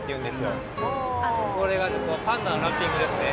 これはパンダのラッピングですね。